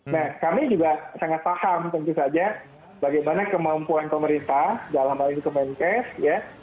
nah kami juga sangat paham tentu saja bagaimana kemampuan pemerintah dalam hal ini kemenkes ya